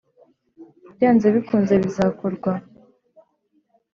Byanze bikunze bizakorwa